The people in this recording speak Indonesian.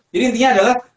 jadi intinya adalah